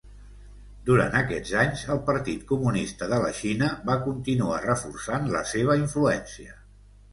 Durant aquests anys, el Partit Comunista de la Xina va continuar reforçant la seva influència.